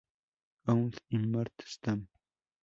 Oud y Mart Stam.